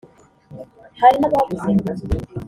Hari n’abavuze ngo